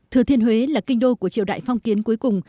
thừa thiên huế là kinh đô của triều đại phong kiến cuối cùng